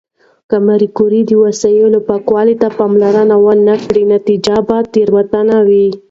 که ماري کوري د وسایلو پاکوالي ته پاملرنه ونه کړي، نتیجه به تېروتنه وي.